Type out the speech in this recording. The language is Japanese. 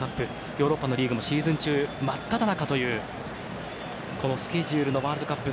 ヨーロッパのリーグもシーズン中真っただ中というこのスケジュールのワールドカップ。